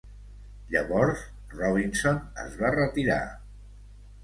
Llavors, Robinson es va retirar.